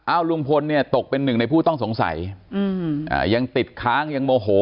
ลุงพลเนี่ยตกเป็นหนึ่งในผู้ต้องสงสัยยังติดค้างยังโมโห